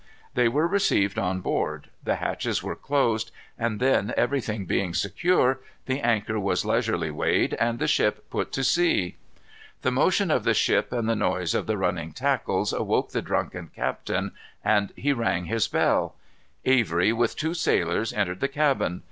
They were received on board; the hatches were closed; and then, everything being secure, the anchor was leisurely weighed, and the ship put to sea. The motion of the ship and the noise of the running tackles awoke the drunken captain, and he rang his bell. Avery, with two sailors, entered the cabin.